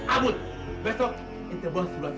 amut besok saya akan membawa semua keputusan anda